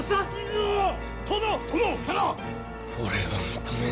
俺は認めぬ。